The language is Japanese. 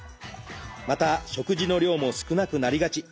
また食事の量も少なくなりがち。